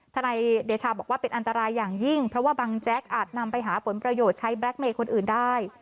นายเดชาบอกว่าเป็นอันตรายอย่างยิ่งเพราะว่าบังแจ๊กอาจนำไปหาผลประโยชน์ใช้แบล็คเมย์คนอื่นได้